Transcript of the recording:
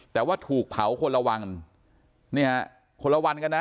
แต่ว่าถูกเผาคนละวังนี่ฮะคนละวันกันนะ